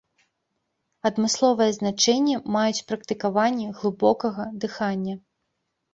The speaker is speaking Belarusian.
Адмысловае значэнне маюць практыкаванні глыбокага дыхання.